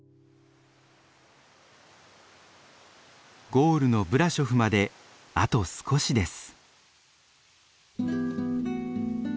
ゴールのブラショフまであと少しです。